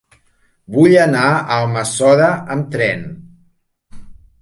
Vull anar a Almassora amb tren.